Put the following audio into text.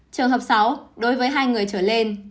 trường hợp sáu đối với hai người trở lên